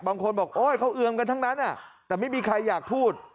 บางคนบอกโอ๊ยเขาเอือมกันทั้งนั้นแต่ไม่มีใครอยากพูด